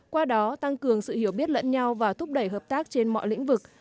qua đó tăng cường sự hiểu biết lẫn nhau và thúc đẩy hợp tác trên mọi lĩnh vực